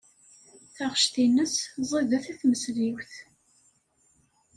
Taɣect-nnes ẓidet i tmesliwt.